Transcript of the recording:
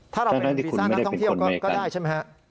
ถ้าเราไปเรียนวีซ่านักท่องเที่ยวก็ได้ใช่ไหมฮะ